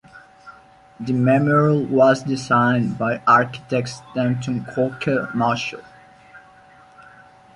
The memorial was designed by architects Denton Corker Marshall.